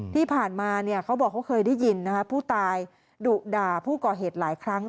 ที่ผ่านมาเขาบอกเขาเคยได้ยินผู้ตายดุด่าผู้ก่อเหตุหลายครั้ง